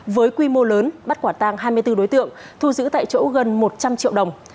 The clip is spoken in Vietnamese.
với quy mô lớn bắt quả tang hai mươi bốn đối tượng thu giữ tại chỗ gần một trăm linh triệu đồng